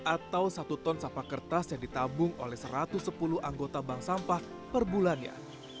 atau satu ton sampah kertas yang ditabung oleh satu ratus sepuluh anggota bank sampah per bulannya